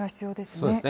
そうですね。